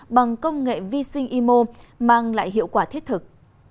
bằng công nghệ vi sinh imo mang lại hiệu quả thiết thực